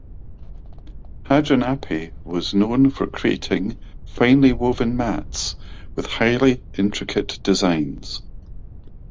Haja Appi was known for creating finely woven mats with highly intricate designs.